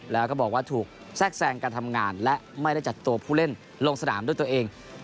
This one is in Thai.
แล้วก็บอกว่าถูกแทรกแทรงการทำงานและไม่ได้จัดตัวผู้เล่นลงสนามด้วยตัวเอง